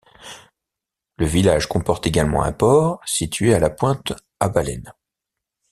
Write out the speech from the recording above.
Le village comporte également un port, situé à la pointe à Baleine.